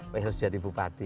wah harus jadi bupati